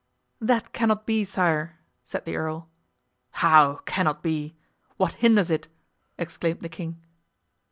"That cannot be, sire," said the earl. "How, cannot be? What hinders it?" exclaimed the king.